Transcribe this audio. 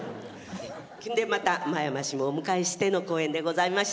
でまた真山氏もお迎えしての口演でございました。